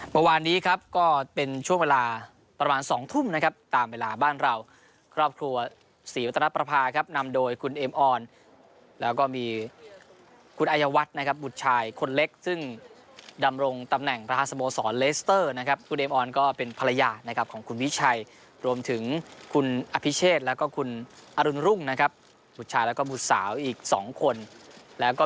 เมื่อวานนี้ครับก็เป็นช่วงเวลาประมาณ๒ทุ่มนะครับตามเวลาบ้านเราครอบครัวศรีวัตนประพาครับนำโดยคุณเอมออนแล้วก็มีคุณอายวัฒน์นะครับบุตรชายคนเล็กซึ่งดำรงตำแหน่งประธานสโมสรเลสเตอร์นะครับคุณเอมออนก็เป็นภรรยานะครับของคุณวิชัยรวมถึงคุณอภิเชษแล้วก็คุณอรุณรุ่งนะครับบุตรชายแล้วก็บุตรสาวอีกสองคนแล้วก็